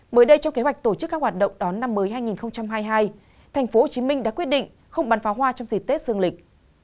mới đây trong kế hoạch tổ chức các hoạt động đón năm mới hai nghìn hai mươi hai tp hcm đã quyết định không bắn pháo hoa trong dịp tết dương lịch